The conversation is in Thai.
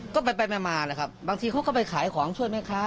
ก็ไปมานะครับบางทีเขาก็ไปขายของช่วยแม่ค้า